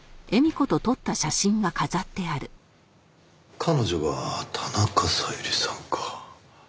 彼女が田中小百合さんか。